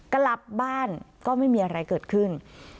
กลับบ้านก็ไม่มีอะไรเกิดขึ้น